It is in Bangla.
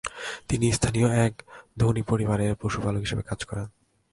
তিনি স্থানীয় এক ধ্নী পরিবারের পশুপালক হিসেবে কাজ করেন।